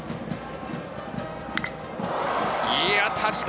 いい当たりだ！